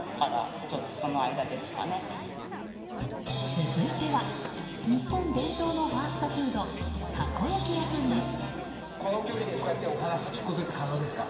続いては日本伝統のファストフードたこ焼き屋さんです。